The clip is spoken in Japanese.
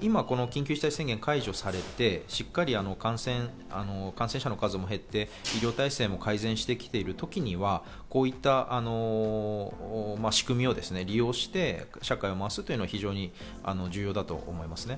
今、緊急事態宣言が解除されて感染者の数も減って、医療体制も改善してきている時には、こういった仕組みを利用して社会を回すのは重要だと思います。